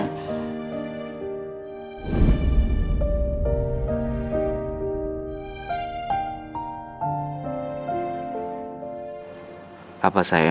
kenapa sih mama